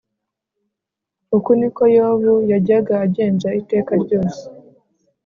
uko ni ko yobu yajyaga agenza iteka ryose